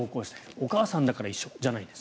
お母さんだから一緒じゃないです